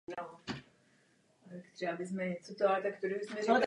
Po skončení aktivní kariéry působí v Českých Budějovicích jako trenér mládeže.